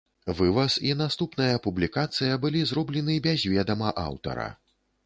Вываз і наступная публікацыя былі зроблены без ведама аўтара.